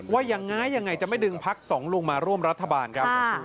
ว่ายังไงยังไงจะไม่ดึงพักสองลุงมาร่วมรัฐบาลครับ